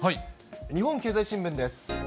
日本経済新聞です。